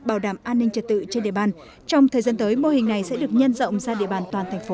bảo đảm an ninh trật tự trên địa bàn trong thời gian tới mô hình này sẽ được nhân rộng ra địa bàn toàn thành phố